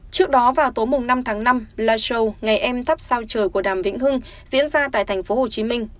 trước đó vào tối năm tháng năm live show ngày em thắp sao trời của đàm vĩnh hưng diễn ra tại tp hcm